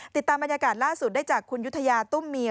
ติดตามบรรยากาศล่าสุดได้จากคุณยุธยาตุ้มเมีย